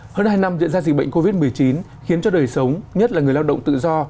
hơn hai năm diễn ra dịch bệnh covid một mươi chín khiến cho đời sống nhất là người lao động tự do